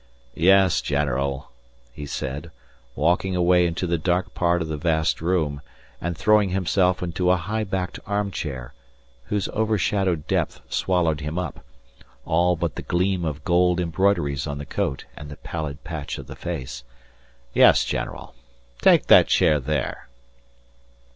"Yes, general," he said, walking away into the dark part of the vast room and throwing himself into a high backed armchair whose overshadowed depth swallowed him up, all but the gleam of gold embroideries on the coat and the pallid patch of the face. "Yes, general. Take that chair there."